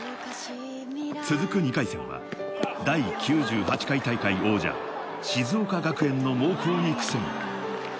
続く２回戦は第９８回大会王者・静岡学園の猛攻に苦戦。